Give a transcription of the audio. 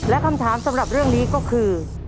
และคำถามสำหรับเรื่องนี้ก็คือ